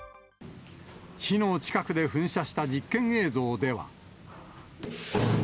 火の近くで噴射した実験映像では。